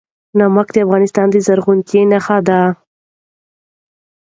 نمک د افغانستان د زرغونتیا نښه ده.